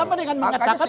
sama dengan mengatakan